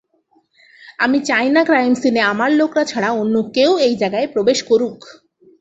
আমি চাই না ক্রাইম সিনে আমার লোকরা ছাড়া অন্য কেউ এই জায়গায় প্রবেশ করুক।